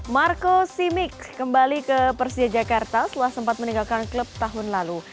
marco simic kembali ke persija jakarta setelah sempat meninggalkan klub tahun lalu